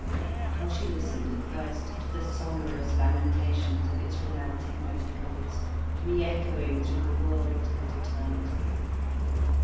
How she listened at first to the sonorous lamentations of its romantic melancholies reechoing through the world and eternity!